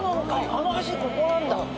あの橋ここなんだ。